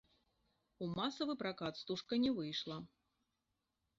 У масавы пракат стужка не выйшла.